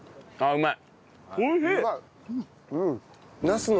うまい。